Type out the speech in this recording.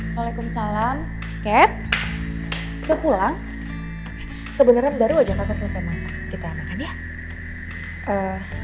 waalaikumsalam cat ke pulang kebenaran baru wajah kakak selesai masak kita makan ya